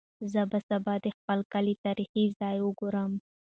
زه به سبا د خپل کلي تاریخي ځای وګورم.